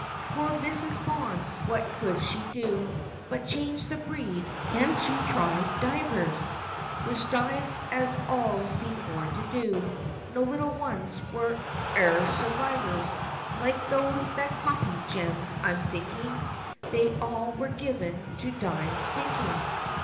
Poor Mrs. Bond! what could she do But change the breed and she tried divers Which dived as all seemed born to do; No little ones were e'er survivors Like those that copy gems, I'm thinking, They all were given to die sinking!